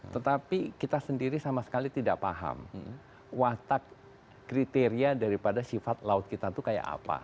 tetapi kita sendiri sama sekali tidak paham watak kriteria daripada sifat laut kita itu kayak apa